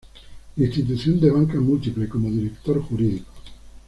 Institución de Banca Múltiple, como Director Jurídico.